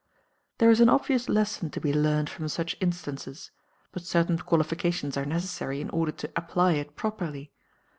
There is an obvious lesson to be learned from such instances, but certain qualifications are necessary in order to apply it properly.